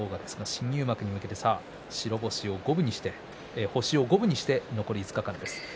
新入幕に向けて星を五分にして残り５日間です。